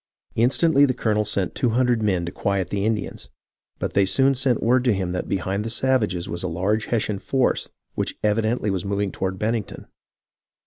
Instantly the colonel sent two hundred men to quiet the Indians ; but they soon sent word to him that behind the savages was a large Hessian force which evidently was moving toward Bennington.